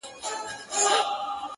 • دلته بله محکمه وي فیصلې وي..